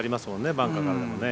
バンカーからでもね。